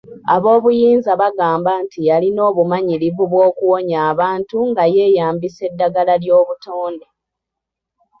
Aboobuyinza bagamba nti yalina obumanyirivu bw'okuwonya abantu nga yeeyambisa eddagala ly'obutonde.